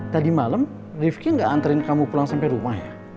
tadi malem ripki gak anterin kamu pulang sampai rumah ya